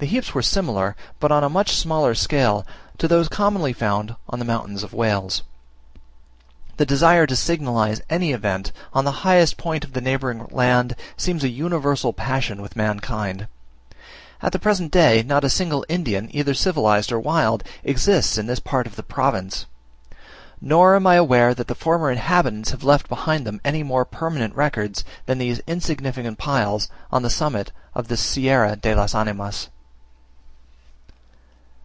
The heaps were similar, but on a much smaller scale, to those so commonly found on the mountains of Wales. The desire to signalize any event, on the highest point of the neighbouring land, seems an universal passion with mankind. At the present day, not a single Indian, either civilized or wild, exists in this part of the province; nor am I aware that the former inhabitants have left behind them any more permanent records than these insignificant piles on the summit of the Sierra de las Animas.